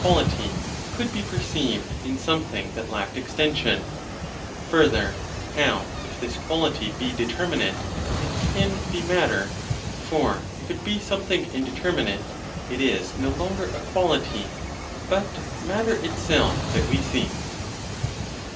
quality could be perceived in something that lacked extension; further, how, if this quality be determinate, it can be matter; for if it be something indeterminate, it is no longer a quality, but matter itself that we seek.